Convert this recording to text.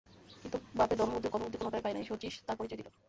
কিন্তু বাপের ধর্মবুদ্ধি ও কর্মবুদ্ধি কোনোটাই পায় নাই, শচীশ তার পরিচয় দিল।